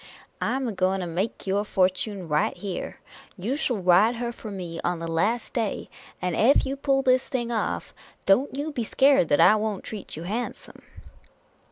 " I 'm a going to make your fortune right here. You shall ride her for me on the last day ; and ef you pull this thing off, don't you be scared that I won't treat you handsome."